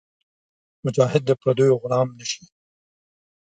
مجاهد د پردیو غلام نهشي.